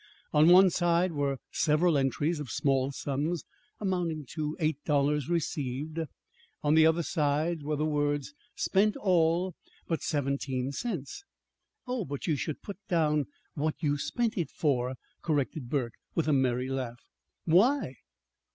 On the one side were several entries of small sums, amounting to eight dollars received. On the other side were the words: "Spent all but seventeen cents." "Oh, but you should put down what you spent it for," corrected Burke, with a merry laugh. "Why?"